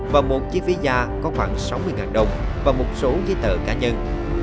và một chiếc visa có khoảng sáu mươi đồng và một số giấy tờ cá nhân